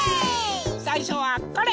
さいしょはこれ！